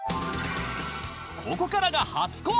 ここからが初公開